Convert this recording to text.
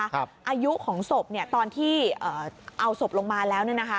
อายุของศพตอนที่เอาศพลงมาแล้ว